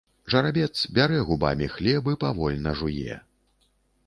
Жарабец бярэ губамі хлеб і павольна жуе.